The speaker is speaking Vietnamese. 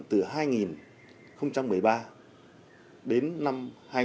giai đoạn thứ hai là giai đoạn từ hai nghìn một mươi ba đến năm hai nghìn một mươi năm